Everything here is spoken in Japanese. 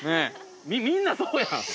みんなそうやん。